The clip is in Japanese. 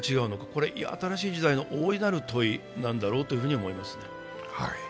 これは新しい時代の大いなる問いなんだろうと思います。